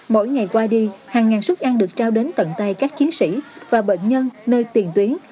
mỗi ngày qua đi hàng ngàn suất ăn được trao đến tận tay các chiến sĩ và bệnh nhân nơi tiền tuyến